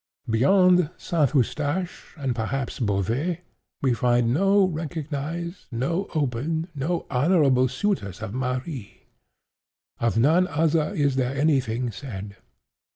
Beyond St. Eustache, and perhaps Beauvais, we find no recognized, no open, no honorable suitors of Marie. Of none other is there any thing said.